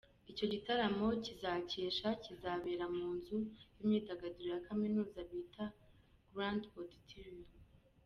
Icyo gitaramo kizakesha, kizabera mu nzu yimyidagaduro ya kaminuza bita Grand Auditorium.